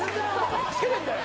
助けてんだよ！